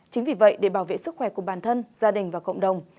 chính vì vậy để bảo vệ sức khỏe của bản thân gia đình và cộng đồng